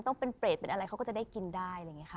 ต้องเป็นเปรตเป็นอะไรเขาก็จะได้กินได้เลยไงค่ะ